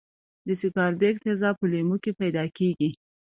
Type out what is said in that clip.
د سکاربیک تیزاب په لیمو کې پیداکیږي.